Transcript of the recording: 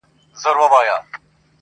د توري شپې سره خوبونه هېرولاى نه ســم.